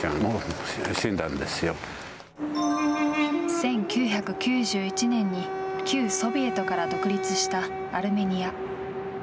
１９９１年に旧ソビエトから独立したアルメニア。